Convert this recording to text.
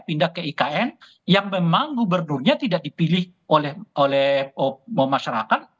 pindah ke ikn yang memang gubernurnya tidak dipilih oleh masyarakat